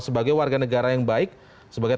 sebagai warga negara yang baik sebagai